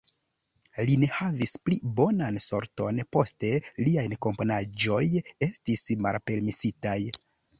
Li ne havis pli bonan sorton poste, liaj komponaĵoj estis malpermesitaj.